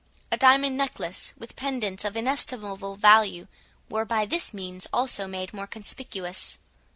A diamond necklace, with pendants of inestimable value, were by this means also made more conspicuous.